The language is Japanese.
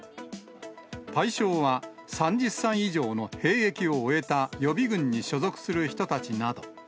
対象は３０歳以上の兵役を終えた予備軍に所属する人たちなど。